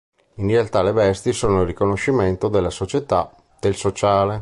In realtà le vesti sono il riconoscimento della società, del sociale.